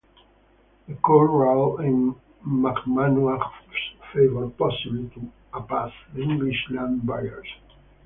The court ruled in Mammanuah's favor, possibly to appease the English land buyers.